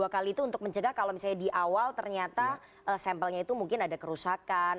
dua kali itu untuk mencegah kalau misalnya di awal ternyata sampelnya itu mungkin ada kerusakan